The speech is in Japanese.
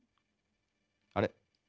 あれ？